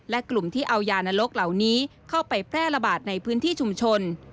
และกลุ่มที่เอายานรกเหล่านี้เข้าไปแพร่ระบาดในพื้นที่ชุมชน